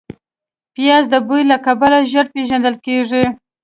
پیاز د بوی له کبله ژر پېژندل کېږي